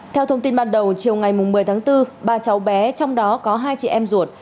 theo thông tin ban đầu chiều ngày một mươi tháng bốn ba cháu bé trong đó có hai chị em ruột